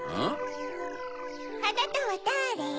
あなたはだぁれ？